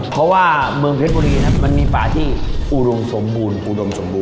เพราะว่าเมืองเพชรบุรีมันมีป่าที่อุดมสมบูรณ์อุดมสมบูร